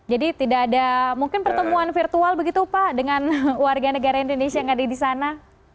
jadi tidak ada pertemuan virtual begitu pak dengan warga negara indonesia yang ada di sana